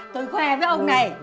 tôi khoe với ông này